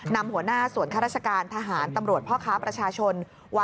นำหัวหน้าส่วนข้าราชการทหารตำรวจพ่อค้าประชาชน